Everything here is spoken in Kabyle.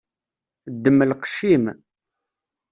Ddem lqec-im.